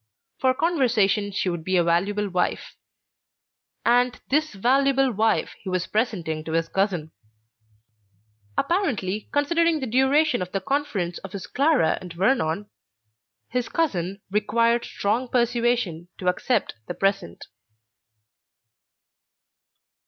"For conversation she would be a valuable wife". And this valuable wife he was presenting to his cousin. Apparently, considering the duration of the conference of his Clara and Vernon, his cousin required strong persuasion to accept the present.